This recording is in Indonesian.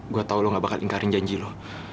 gue tau lo gak bakal ingkarin janji lo